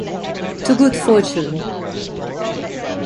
To good fortune.